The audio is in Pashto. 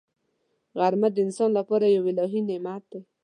غرمه د انسان لپاره یو الهي نعمت دی